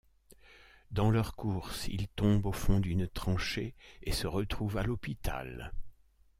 Dans leur course, ils tombent au fond d'une tranchée et se retrouvent à l'hôpital.